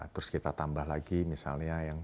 terus kita tambah lagi misalnya yang